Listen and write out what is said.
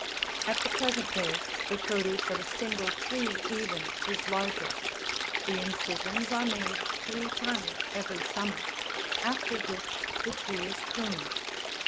At the present day the produce of a single tree, even, is larger ; the incisions are made three times every summer, after which the tree is pruned.